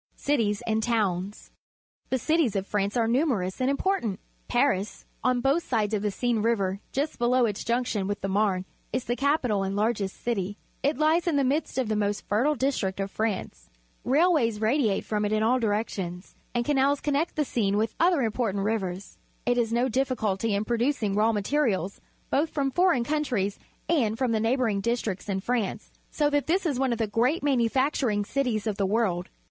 Cities and Towns. — The cities of France ai'e numerous and important. Paris, on MAIKi A beautiful Street in Paris, France b oth sid es of the S fiine R ivgr just below its junction with the Marne, is the capital and largest city. It lies in the midst of the most fertile district of France. Railways radiate 184 PUBLIC SCHOOL GEOGR.IPHY from it in all directions, and canals connect the Seine with other important rivers. It has nojiifficulty in procuring raw materials, both from foreign countries and from the neigh bouring districts in France, so that it is one of the great manufacturing cities of the world.